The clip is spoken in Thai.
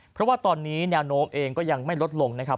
เพราะว่าตอนนี้แนวโน้มเองก็ยังไม่ลดลงนะครับ